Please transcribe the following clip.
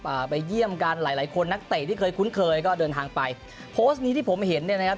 ไปเยี่ยมกันหลายหลายคนนักเตะที่เคยคุ้นเคยก็เดินทางไปโพสต์นี้ที่ผมเห็นเนี่ยนะครับ